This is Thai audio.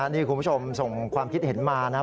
นี่คุณผู้ชมส่งความคิดเห็นมานะครับ